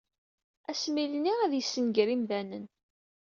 Asmil-nni ad yessenger imdanen.